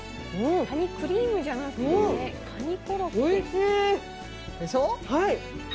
カニクリームじゃなくてねカニコロッケ。